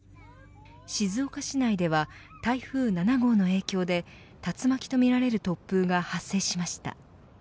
静岡市内では台風７号の影響で竜巻とみられる突風が発生しました。